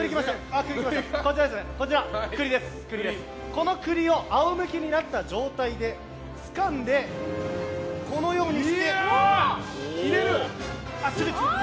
この栗を仰向けになった状態でつかんでこのようにして入れる。